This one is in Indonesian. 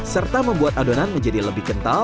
serta membuat adonan menjadi lebih kental